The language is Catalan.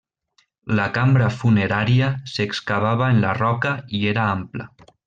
La cambra funerària s'excavava en la roca i era ampla.